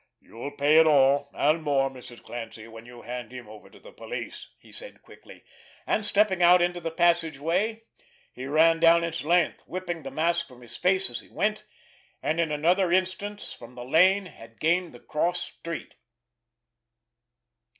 "You'll pay it all, and more, Mrs. Clancy, when you hand him over to the police," he said quickly—and, stepping out into the passageway, he ran down its length, whipping the mask from his face as he went; and in another instant, from the lane, had gained the cross street.